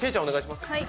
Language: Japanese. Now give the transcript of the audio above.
お願いします